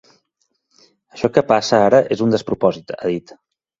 Això que passa ara és un despropòsit, ha dit.